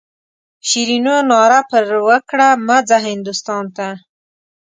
شیرینو ناره پر وکړه مه ځه هندوستان ته.